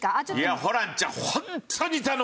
いやホランちゃん